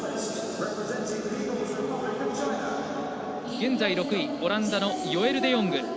現在６位、オランダのヨエル・デヨング。